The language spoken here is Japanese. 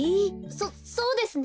そそうですね。